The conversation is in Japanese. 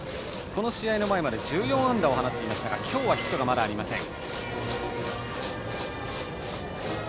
この試合の前まで１４安打を放っていましたが今日はヒットがまだありません。